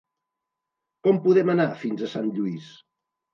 Com podem anar fins a Sant Lluís?